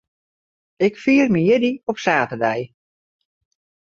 Ik fier myn jierdei op saterdei.